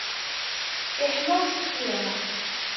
Iḥma useqqi.